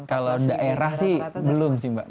kalau daerah sih belum sih mbak